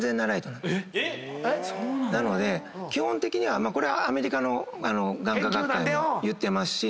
なので基本的にこれはアメリカの眼科学会も言ってますし。